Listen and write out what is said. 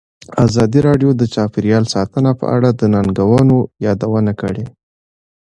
ازادي راډیو د چاپیریال ساتنه په اړه د ننګونو یادونه کړې.